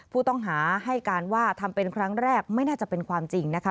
ผู้ต้องหาให้การว่าทำเป็นครั้งแรกไม่น่าจะเป็นความจริงนะคะ